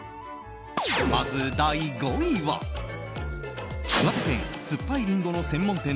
まず、第５位は岩手県すっぱい林檎の専門店。